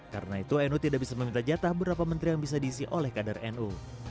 karena itu nu tidak bisa meminta jatah berapa menteri yang bisa diisi oleh kadar nu